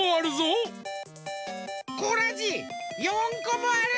コラジ４こもある。